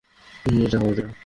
এই, এটা কাবাডি না।